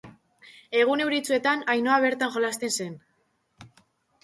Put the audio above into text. Egun euritsuetan Ainhoa bertan jolasten zen.